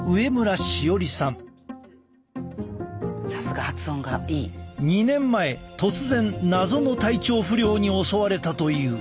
こちらは２年前突然謎の体調不良に襲われたという。